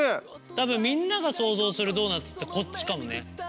多分みんなが想像するドーナツってこっちかもね。